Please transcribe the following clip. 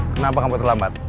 kenapa kamu terlambat